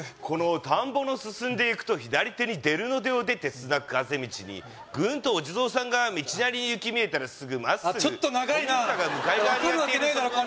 この田んぼの進んでいくと左手に出るのでを出てスナックあぜ道にぐんとお地蔵さんが道なりに行き見えたらすぐまっすぐちょっと長いな分かるわけねえだろ